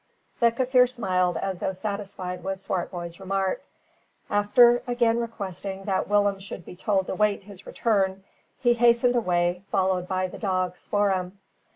The Kaffir smiled as though satisfied with Swartboy's remark. After again requesting that Willem should be told to wait his return, he hastened away, followed by the dog Spoor'em.